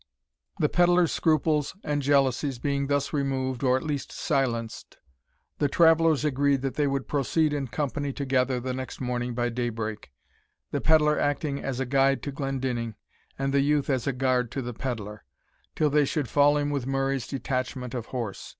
The pedlar's scruples and jealousies being thus removed, or at least silenced, the travellers agreed that they would proceed in company together the next morning by daybreak, the pedlar acting as a guide to Glendinning, and the youth as a guard to the pedlar, until they should fall in with Murray's detachment of horse.